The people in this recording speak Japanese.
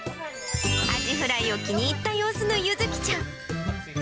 アジフライを気に入った様子の唯月ちゃん。